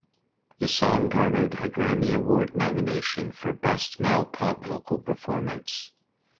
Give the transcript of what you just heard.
The song garnered a Grammy Award nomination for Best Male Pop Vocal Performance.